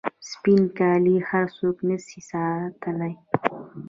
سپین کالي هر څوک نسي ساتلای.